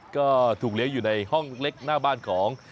ก็ถูกเลี้ยงอยู่ในห้องเล็กหน้าบ้านของ